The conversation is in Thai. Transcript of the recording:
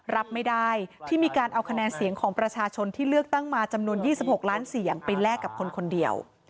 รับไม่ได้ที่มีการเอาคะแนนเสียงของประชาชนที่เลือกตั้งมาจำนวน๒๖ล้านเสียงไปแลกกับคนคนเดียว